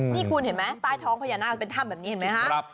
นี่คุณเห็นไหมใต้ท้องพญานาคจะเป็นถ้ำแบบนี้เห็นไหมครับ